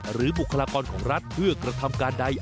บุคลากรของรัฐเพื่อกระทำการใด